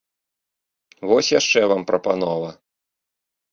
Вось яшчэ вам прапанова!